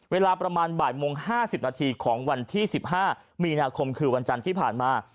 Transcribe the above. เวลาประมาณบ่ายโมง๕๐นาทีของวันที่๑๕มีนาคมคือวันจันทร์ที่ผ่านมา